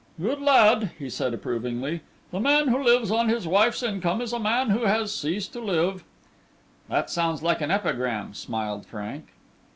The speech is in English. "Good lad," he said, approvingly; "the man who lives on his wife's income is a man who has ceased to live." "That sounds like an epigram," smiled Frank.